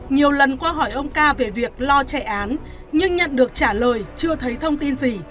nhiều lần qua hỏi ông ca về việc lo chạy án nhưng nhận được trả lời chưa thấy thông tin gì